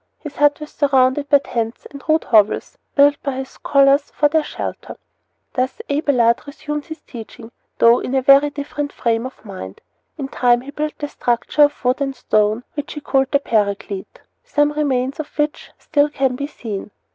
His hut was surrounded by tents and rude hovels, built by his scholars for their shelter. Thus Abelard resumed his teaching, though in a very different frame of mind. In time he built a structure of wood and stone, which he called the Paraclete, some remains of which can still be seen.